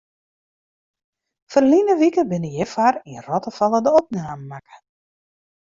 Ferline wike binne hjirfoar yn Rottefalle de opnamen makke.